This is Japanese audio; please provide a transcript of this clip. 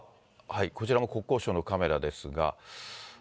こちらも国交省のカメラですが。